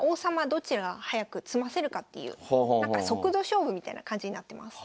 どちらが早く詰ませるかっていう速度勝負みたいな感じになってます。